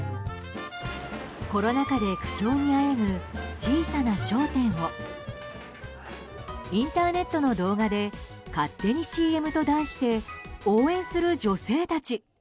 コロナ禍で苦境にあえぐ小さな商店をインターネットの動画で「勝手にＣＭ」と題して応援する女性たち。